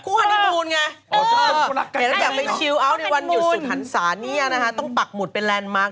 คู่อันนี้ประมูลไงอยากไปชิลอาวต์ในวันหยุดสุขรรสานเนี่ยนะคะต้องปักหมุดเป็นแลนด์มาร์ค